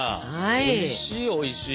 おいしいおいしい。